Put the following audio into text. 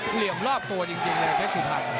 เหลี่ยมรอบตัวจริงเลยแพ็คสุภัณฑ์